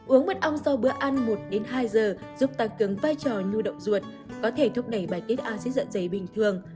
uống mật ong sau bữa ăn một hai giờ giúp tăng cường vai trò nhu động ruột có thể thúc đẩy bài tiết axit dạ dày bình thường